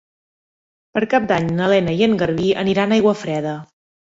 Per Cap d'Any na Lena i en Garbí aniran a Aiguafreda.